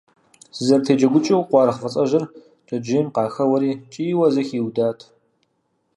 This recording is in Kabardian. Сызэрытеджэгукӏыу, къуаргъ фӏыцӏэжьыр джэджьейм къахэуэри, кӏийуэ зы хиудат.